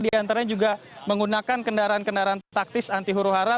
diantaranya juga menggunakan kendaraan kendaraan taktis anti huru hara